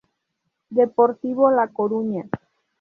Deportivo La Coruña.